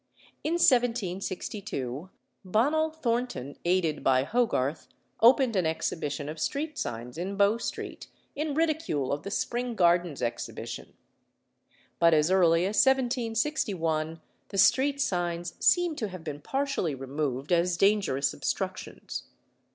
In 1762, Bonnel Thornton (aided by Hogarth) opened an exhibition of street signs in Bow Street in ridicule of the Spring Gardens exhibition. But as early as 1761 the street signs seem to have been partially removed as dangerous obstructions.